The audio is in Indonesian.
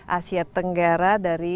asia tenggara dari